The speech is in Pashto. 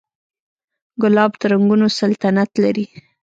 ګلاب د رنګونو سلطنت لري.